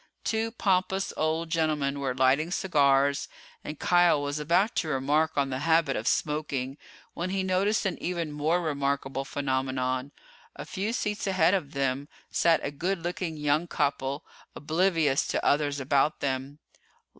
Two pompous old gentlemen were lighting cigars and Kial was about to remark on the habit of smoking when he noticed an even more remarkable phenomenon. A few seats ahead of them sat a good looking young couple, oblivious to others about them.